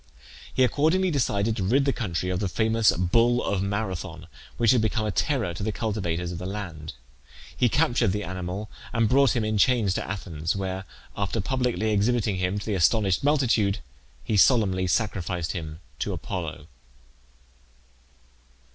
He accordingly decided to rid the country of the famous bull of Marathon, which had become a terror to the cultivators of the land. He captured the animal and brought him in chains to Athens, where, after publicly exhibiting him to the astonished multitude, he solemnly sacrificed him to Apollo.